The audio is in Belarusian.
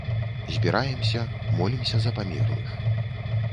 Збіраемся, молімся за памерлых.